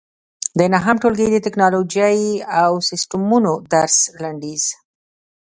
د نهم ټولګي د ټېکنالوجۍ او سیسټمونو درس لنډیز